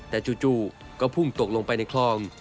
แต่จู่ก็พุ่งตกลงไปในคลอง